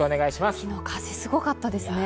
昨日、風すごかったですね。